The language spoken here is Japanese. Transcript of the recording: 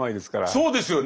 そうですよね。